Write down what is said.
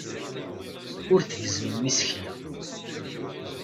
Ur tgezzmem isekla.